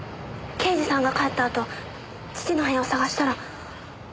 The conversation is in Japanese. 刑事さんが帰ったあと父の部屋を探したら。